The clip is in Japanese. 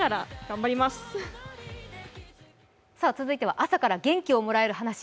続いては朝から元気をもらえる話。